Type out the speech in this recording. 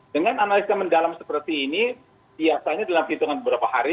dengan analisa mendalam seperti ini biasanya dalam hitungan beberapa hari